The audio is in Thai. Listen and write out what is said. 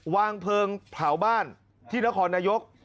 วางเพลิงเผาบ้านที่นครนายก